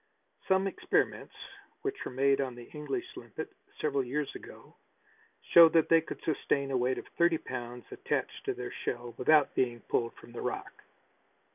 Some experiments which were made on the English limpet several years ago showed that they could sustain a weight of thirty pounds attached to their shell without being pulled from the rock.